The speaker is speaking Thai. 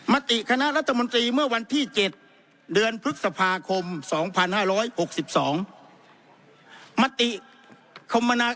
มติคณะรัฐมนตรีเมื่อวันที่๗เดือนพฤษภาคม๒๕๖๒มติคมมนา